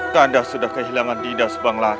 kanda sudah kehilangan dinda subang lara